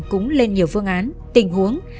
cũng lên nhiều phương án tình huống